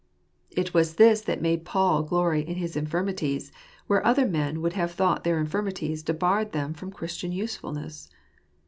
It was this that made Paul glory in his infirmities, where other men would have thought their infirmities debarred them from Christian usefulness.